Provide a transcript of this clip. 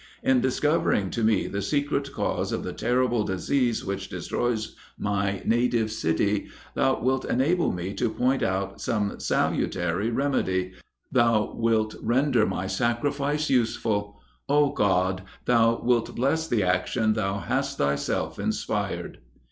In discovering to me the secret cause of the terrible disease which destroys my native city, thou wilt enable me to point out some salutary remedy thou wilt render my sacrifice useful. Oh God! thou wilt bless the action thou hast thyself inspired."